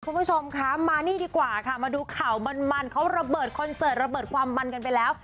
คุณผู้ชมคะมานี่ดีกว่าค่ะมาดูข่าวมันเขาระเบิดคอนเสิร์ตระเบิดความมันกันไปแล้ว